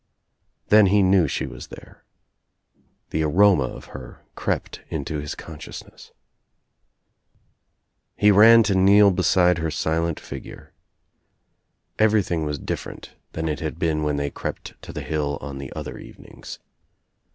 Then he knew she was there. The aroma of her crept into his consciousness. He ran to kneel beside her silent figure. Every* thing was different than it had been when they crept to the hill on the other evenings.